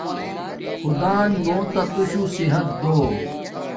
خدان نو تا توشو صحت دو